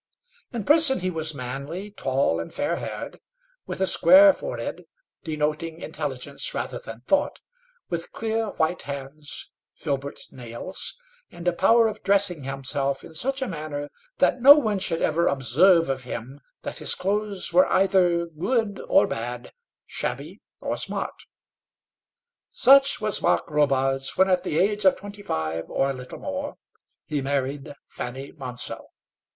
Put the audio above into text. In person he was manly, tall, and fair haired, with a square forehead, denoting intelligence rather than thought, with clear white hands, filbert nails, and a power of dressing himself in such a manner that no one should ever observe of him that his clothes were either good or bad, shabby or smart. Such was Mark Robarts when at the age of twenty five, or a little more, he married Fanny Monsell.